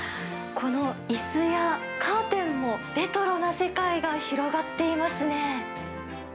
このいすやカーテンも、レトロな世界が広がっていますね。